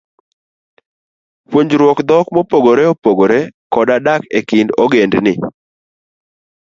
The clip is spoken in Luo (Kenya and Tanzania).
Puonjruok dhok mopogore opogore, koda dak e kind ogendini